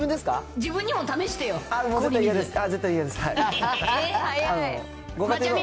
自分にも試してよ、氷水。